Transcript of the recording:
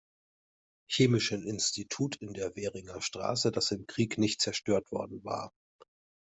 Chemischen Institut in der Währinger Straße, das im Krieg nicht zerstört worden war.